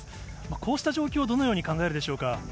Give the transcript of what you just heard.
こうした状況をどのように考えるでしょうか。